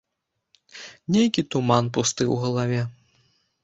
Нейкі туман пусты ў галаве.